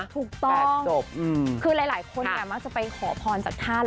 ถูกต้องคือหลายคนเนี่ยมักจะไปขอพรจากท่าน